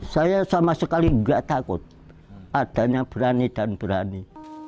saya sama sekali tidak takut adanya berani dan berani